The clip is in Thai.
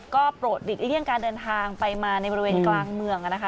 ก็โปรดหลีกเลี่ยงการเดินทางไปมาในบริเวณกลางเมืองนะคะ